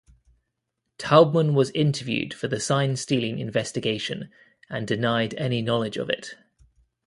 Taubman was interviewed for the sign stealing investigation and denied any knowledge of it.